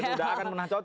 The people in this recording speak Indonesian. udah akan menacotkan